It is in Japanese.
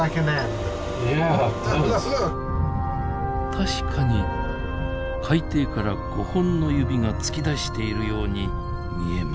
確かに海底から５本の指が突き出しているように見えますねえ。